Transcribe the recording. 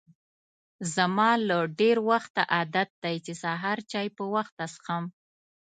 زما له ډېر وخته عادت دی چې سهار چای په وخته څښم.